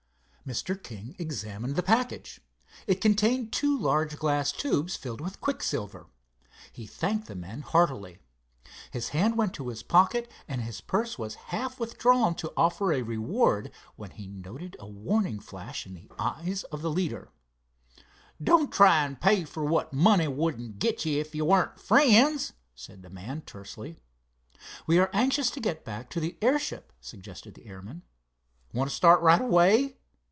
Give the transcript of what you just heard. Mr. King examined the package. It contained two large glass tubes filled with quicksilver. He thanked the men heartily. His hand went to his pocket and his purse was half withdrawn to offer a reward, when he noted a warning flash in the eyes of the leader. "Don't try to pay for what money wouldn't get you if you weren't friends," said the man, tersely. "We are anxious to get back to the airship," suggested the airman. "Want to start right away?"